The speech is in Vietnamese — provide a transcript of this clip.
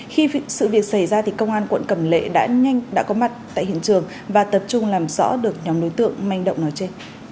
khi sự việc xảy ra thì công an quận cẩm lệ đã nhanh đã có mặt tại hiện trường và tập trung làm rõ được nhóm đối tượng manh động nói trên